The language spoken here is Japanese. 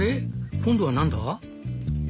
今度は何だ？」。